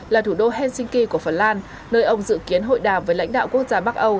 là thủ đô helsinki của phần lan nơi ông dự kiến hội đàm với lãnh đạo quốc gia bắc âu